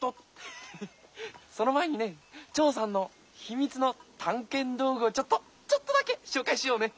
ヘヘッその前にねチョーさんのひみつのたんけんどうぐをちょっとちょっとだけしょうかいしようね。